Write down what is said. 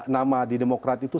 nama di demokrat itu